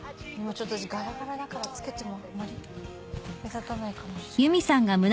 ちょっと柄々だから着けてもあんまり目立たないかもしれない。